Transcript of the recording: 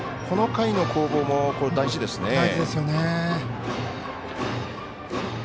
この回の攻防も大事ですね。